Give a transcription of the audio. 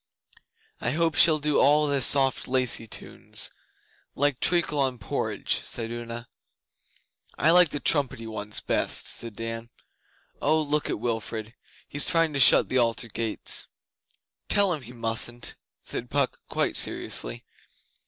'I hope she'll do all the soft lacey tunes like treacle on porridge,' said Una. 'I like the trumpety ones best,' said Dan. 'Oh, look at Wilfrid! He's trying to shut the Altar gates!' 'Tell him he mustn't,' said Puck, quite seriously.